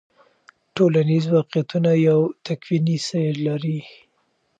ټولنیز واقعیتونه یو تکویني سیر لري.